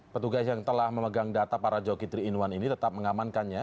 petugas yang telah memegang data para joki tiga in satu ini tetap mengamankannya